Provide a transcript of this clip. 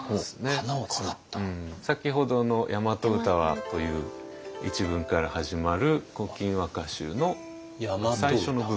先ほどの「やまと歌は」という一文から始まる「古今和歌集」の最初の部分。